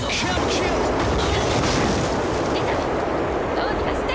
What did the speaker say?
どうにかして！